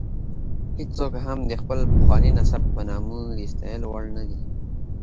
هېڅوک هم د خپل پخواني نسب په نامه د ستایلو وړ نه دی.